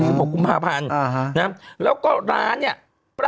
สิบหกครูมหาพันคมอ่าฮะนะฮะแล้วก็ร้านเนี่ยปรัก